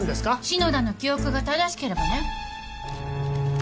篠田の記憶が正しければね。